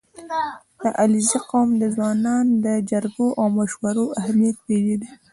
• د علیزي قوم ځوانان د جرګو او مشورو اهمیت پېژني.